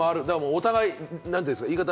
お互い言い方